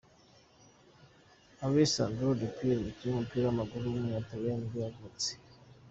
Alessandro Del Piero, umukinnyi w’umupira w’amaguru w’umutaliyani nibwo yavutse.